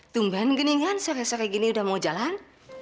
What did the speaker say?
tumpahan gini kan sore sore gini udah mau jalan